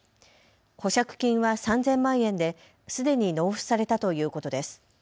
保釈金は３０００万円ですでに納付されたということです。